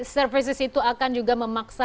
services itu akan juga memaksa